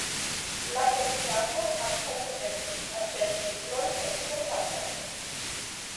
La komitato ankaŭ komencis aĉeti librojn de eksterlande.